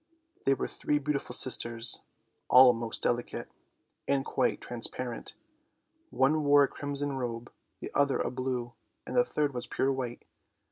" They were three beautiful sisters, all most delicate, and quite transparent. One wore a crimson robe, the other a blue, and the third was pure white.